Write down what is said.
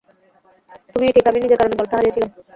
তুমিই ঠিক, আমি নিজের কারণে দলটা হারিয়েছিলাম।